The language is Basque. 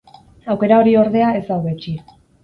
Aukera hori ordea ez du hobetsi.